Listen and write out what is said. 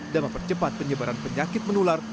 dan mempercepat penyebaran penyakit menular